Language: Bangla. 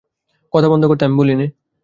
কথা বন্ধ করতে আমি বলি নে।